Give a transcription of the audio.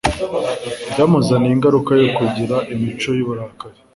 byamuzaniye ingaruka yo kugira imico yuburakari